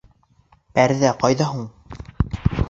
Пәрҙә ҡайҙа һуң?